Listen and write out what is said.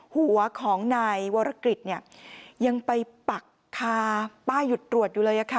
หัวของนายวรกฤษยังไปปักคาป้ายหยุดตรวจอยู่เลย